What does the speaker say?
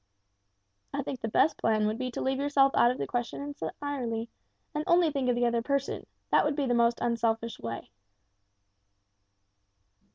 "I think the best plan would be to leave yourself out of the question entirely, and only think of the other person; that would be the most unselfish way."